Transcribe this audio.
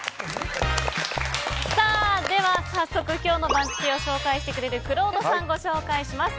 早速、今日の番付を紹介してくれるくろうとさんをご紹介します。